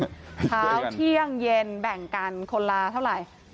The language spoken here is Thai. เช้าเที่ยงเย็นแบ่งกันคนละเท่าไหร่